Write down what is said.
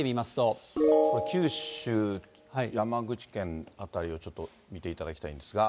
九州、山口県辺りをちょっと見ていただきたいんですが。